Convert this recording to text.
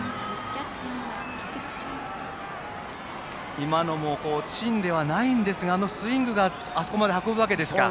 今のも芯ではないんですがあのスイングであそこまで運ぶわけですか。